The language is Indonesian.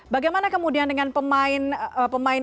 bagaimana kemudian dengan pemain pemain